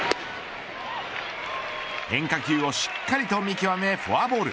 変化球をしっかりと見極めフォアボール。